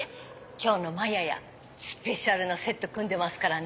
今日のまややスペシャルなセット組んでますからね。